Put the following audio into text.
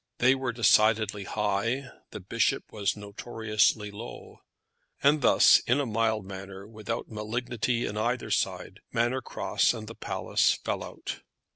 They were decidedly high; the bishop was notoriously low; and thus, in a mild manner, without malignity on either side, Manor Cross and the Palace fell out.